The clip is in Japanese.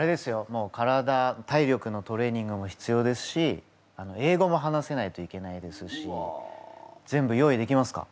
もう体体力のトレーニングも必要ですし英語も話せないといけないですし全部用意できますか？